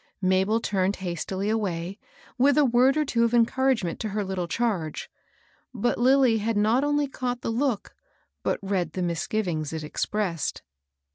Mabel turned hastily away, with a word or two of encouragement to her little charge ; but Lilly had not only caught the look, but read the misgivings it expressed.